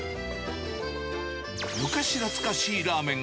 昔懐かしいラーメン。